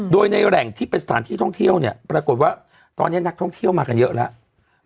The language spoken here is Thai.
โดยในแหล่งที่เป็นสถานที่ท่องเที่ยวเนี่ยปรากฏว่าตอนนี้นักท่องเที่ยวมากันเยอะแล้ว